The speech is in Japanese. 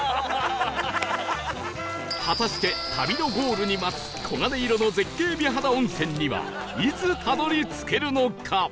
果たして旅のゴールに待つ黄金色の絶景美肌温泉にはいつたどり着けるのか？